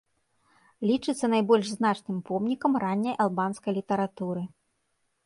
Лічыцца найбольш значным помнікам ранняй албанскай літаратуры.